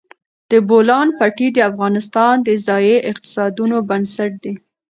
د بولان پټي د افغانستان د ځایي اقتصادونو بنسټ دی.